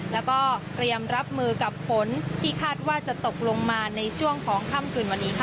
แล้วก็เตรียมรับมือกับฝนที่คาดว่าจะตกลงมาในช่วงของค่ำคืนวันนี้ค่ะ